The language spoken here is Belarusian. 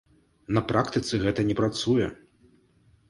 На практыцы гэта не працуе!!!